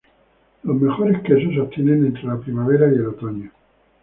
Los mejores quesos se obtienen entre la primavera y el otoño.